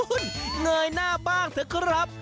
เหนื่อยหน้าบ้างเถอะครับ